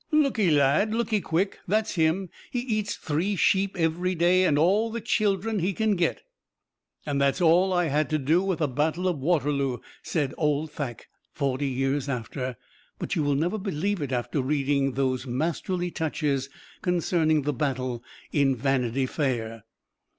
"Lookee, lad, lookee quick that's him! He eats three sheep every day and all the children he can get!" "And that's all I had to do with the Battle of Waterloo," said "Old Thack," forty years after. But you will never believe it after reading those masterly touches concerning the battle, in "Vanity Fair."